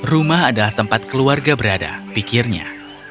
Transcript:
rumah adalah tempat keluarga berada pikirnya